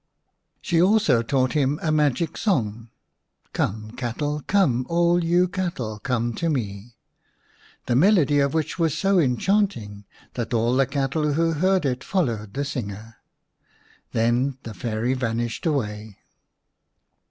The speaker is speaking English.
She also taught him a magic song, " Come, cattle, come, all you cattle come to me/' the melody of which was so enchanting that all cattle who heard it followed the singer. Then the Fairy vanished away.